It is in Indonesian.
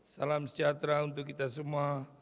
salam sejahtera untuk kita semua